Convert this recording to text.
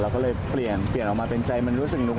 เราก็เลยเปลี่ยนออกมาเป็นใจมันรู้สึกนูด